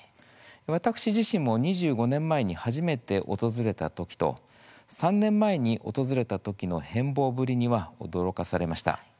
私自身も２５年前に初めて訪れた時と３年前に訪れた時の変貌ぶりには驚かされました。